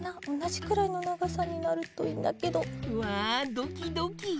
おなじくらいのながさになるといいんだけど。わどきどき。